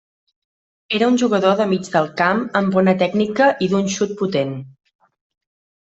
Era un jugador de mig del camp amb bona tècnica i d'un xut potent.